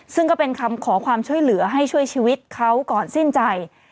ซึ่งก็เป็นคำขอความช่วยเหลือให้ช่วยชีวิตเขาก่อนสิ้นใจ